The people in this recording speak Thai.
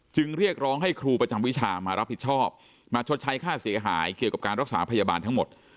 เรียกร้องให้ครูประจำวิชามารับผิดชอบมาชดใช้ค่าเสียหายเกี่ยวกับการรักษาพยาบาลทั้งหมด